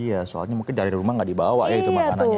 iya soalnya mungkin dari rumah nggak dibawa ya itu makanannya